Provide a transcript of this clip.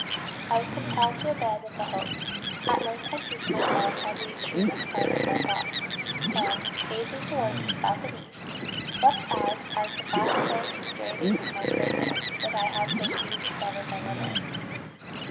I was compelled to abandon the hope. At length I seated myself on the extremest part of Lamboc, and, gazing towards the south and east, wept as at the fast closed grating of my prison, that I had so soon discovered my limits.